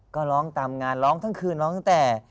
ก็ร้องตามงานร้องทั้งคืนร้องตั้งแต่